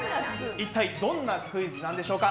一体どんなクイズなんでしょうか？